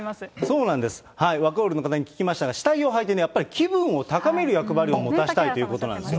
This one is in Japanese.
そうなんです、ワコールの方に聞きましたが、下着をはいて、やっぱり気分を高める役割を持たせたいということなんですよ。